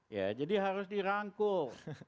ya jadi harus dirangkul